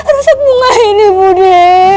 rusak bunga ini budi